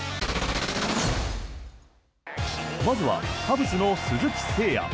まずはカブスの鈴木誠也。